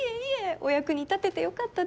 お役に立ててよかったです！